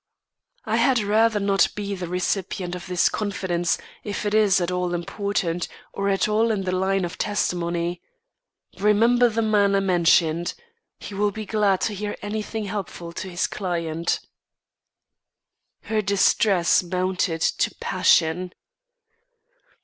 "I had rather not be the recipient of this confidence if it is at all important or at all in the line of testimony. Remember the man I mentioned. He will be glad to hear of anything helpful to his client." Her distress mounted to passion.